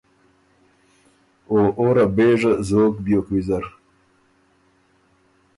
او او ره بېژه زوک بیوک ویزر۔